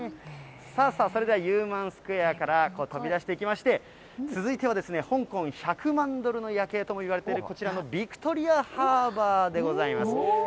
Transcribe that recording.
さあさあ、それではユーマンスクエアから飛び出していきまして、続いては、香港１００万ドルの夜景ともいわれているこちら、ビクトリアハーバーでございます。